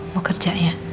mau kerja ya